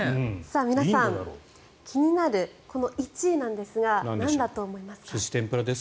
皆さん気になる１位なんですがなんだと思いますか？